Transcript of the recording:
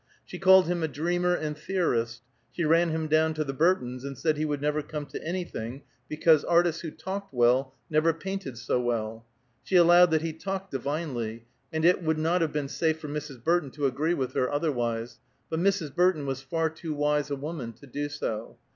She called him a dreamer and theorist; she ran him down to the Burtons, and said he would never come to anything, because artists who talked well never painted so well. She allowed that he talked divinely, and it would not have been safe for Mrs. Burton to agree with her otherwise; but Mrs. Burton was far too wise a woman to do so.